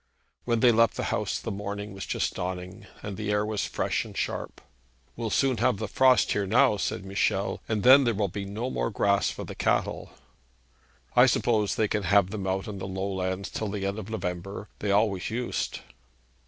When they left the house the morning was just dawning, and the air was fresh and sharp. 'We shall soon have the frost here now,' said Michel, 'and then there will be no more grass for the cattle.' 'I suppose they can have them out on the low lands till the end of November. They always used.'